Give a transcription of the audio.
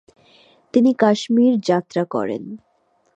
তিনি কাশ্মীর যাত্রা করেন।